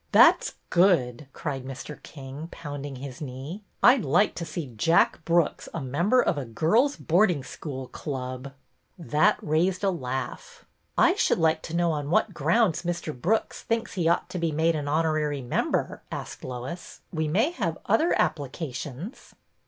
That 's good !" cried Mr. King, pounding his knee. " l^d like to see Jack Brooks a member of a girls' boarding school club." That raised a laugh. PRESERVES 127 I should like to know on what grounds Mr. Brooks thinks he ought to be made an honorary member?'' asked Lois. ^'We may have other applications."